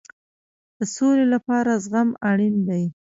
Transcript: د سولې لپاره زغم اړین دی